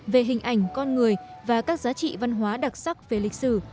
về hình ảnh con người và các giá trị văn hóa đặc sắc về lịch sử